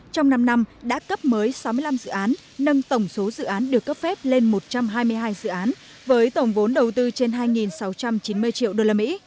trong năm năm đã cấp mới sáu mươi năm dự án nâng tổng số dự án được cấp phép lên một trăm hai mươi hai dự án với tổng vốn đầu tư trên hai sáu trăm chín mươi triệu đô la mỹ